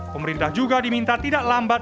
pemerintah juga diminta tidak lambat